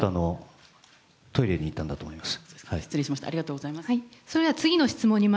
トイレに行ったんだと思います。